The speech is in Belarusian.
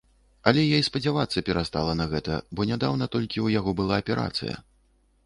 Але я і спадзявацца перастала на гэта, бо нядаўна толькі ў яго была аперацыя.